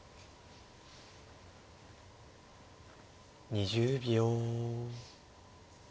２０秒。